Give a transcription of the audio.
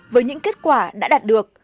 với những kết quả đã đạt được